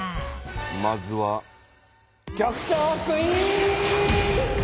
まずは局長クイズ！